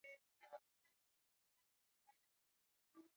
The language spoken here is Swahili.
watafuta wachezaji ambao watachezea vilabu vyao wakati